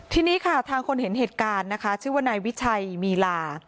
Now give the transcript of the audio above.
ทีนี้ค่ะทางคนเห็นเหตุการณ์นะคะชื่อว่านายวิชัยมีลา